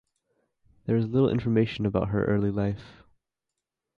There is little information about her early life.